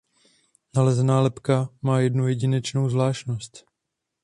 Nalezená lebka má jednu jedinečnou zvláštnost.